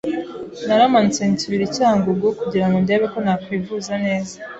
naramanutse nsubira icyangugu kugirango ndeba ko nakwivuza neza